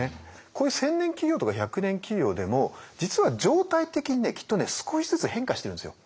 こういう千年企業とか百年企業でも実は常態的にきっとね少しずつ変化してるんですよ。